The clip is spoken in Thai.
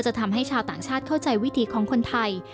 ทำให้ชาวต่างชาติเข้าใจวิถีของคนไทย